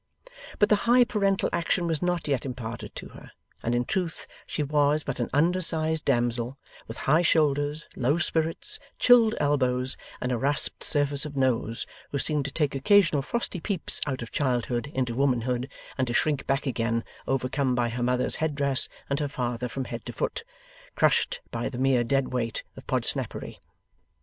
But the high parental action was not yet imparted to her, and in truth she was but an undersized damsel, with high shoulders, low spirits, chilled elbows, and a rasped surface of nose, who seemed to take occasional frosty peeps out of childhood into womanhood, and to shrink back again, overcome by her mother's head dress and her father from head to foot crushed by the mere dead weight of Podsnappery.